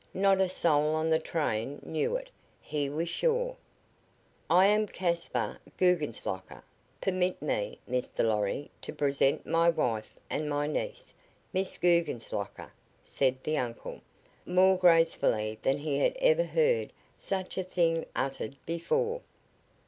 Not a soul on the train knew it, he was sure. "I am Caspar Guggenslocker. Permit me, Mr. Lorry, to present my wife and my niece, Miss Guggenslocker," said the uncle, more gracefully than he had ever heard such a thing uttered before.